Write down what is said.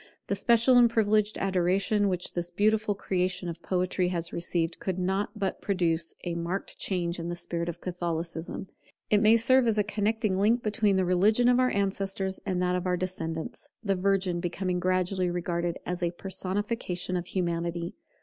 The special and privileged adoration which this beautiful creation of Poetry has received, could not but produce a marked change in the spirit of Catholicism. It may serve as a connecting link between the religion of our ancestors and that of our descendants, the Virgin becoming gradually regarded as a personification of Humanity.